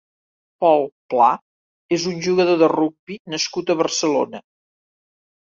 Pol Pla és un jugador de rugbi nascut a Barcelona.